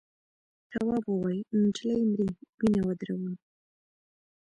تواب وویل نجلۍ مري وینه ودروم.